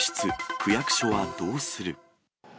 区役所はどうする？